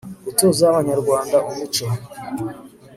gutoza abanyarwanda umuco